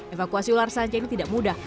evakuasi ular sanca ini tidak mudah